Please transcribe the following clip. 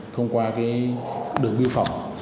thông qua cái đường biên phòng